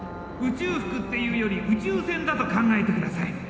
宇宙服っていうより宇宙船だと考えてください。